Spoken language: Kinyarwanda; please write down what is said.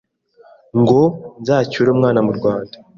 ngo nzacyure umwana mu Rwanda!